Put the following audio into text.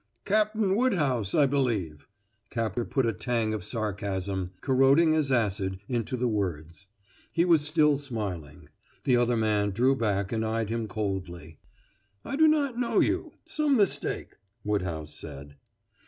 "Captain Woodhouse, I believe." Capper put a tang of sarcasm, corroding as acid, into the words. He was still smiling. The other man drew back and eyed him coldly. "I do not know you. Some mistake," Woodhouse said.